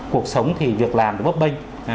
cuộc sống thì việc làm bớt bênh